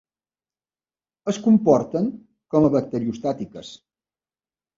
Es comporten com a bacteriostàtiques.